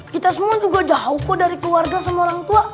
kita semua juga jauh kok dari keluarga sama orang tua